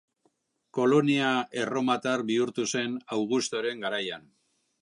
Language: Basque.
Kolonia erromatar bihurtu zen Augustoren garaian.